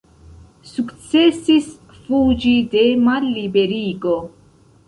Sukcesis fuĝi de malliberigo.